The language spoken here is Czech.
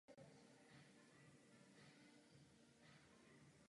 Přestavba lidské infrastruktury nicméně nemůže čekat.